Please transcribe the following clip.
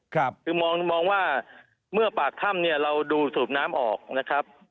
คือมองว่าเมื่อปากถ้ำเนี่ยเราดูสูบน้ำออกนะครับ